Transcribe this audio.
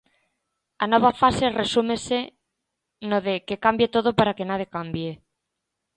A nova fase resúmese no de "que cambie todo para que nada cambie".